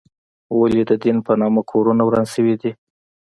ولې د دین په نامه کورونه وران شوي دي؟